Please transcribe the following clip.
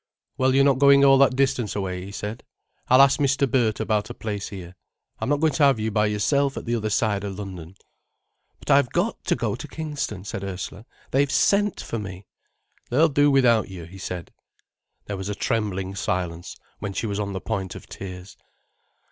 "Well, you're not going all that distance away," he said. "I'll ask Mr. Burt about a place here. I'm not going to have you by yourself at the other side of London." "But I've got to go to Kingston," said Ursula. "They've sent for me." "They'll do without you," he said. There was a trembling silence when she was on the point of tears.